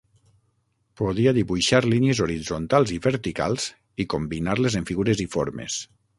Podia dibuixar línies horitzontals i verticals i combinar-les en figures i formes.